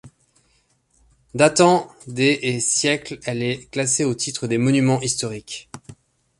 Datant des et siècles, elle est classée au titre des Monuments historiques.